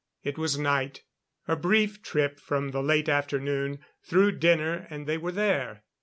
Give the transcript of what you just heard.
It was night a brief trip from the late afternoon, through dinner and they were there.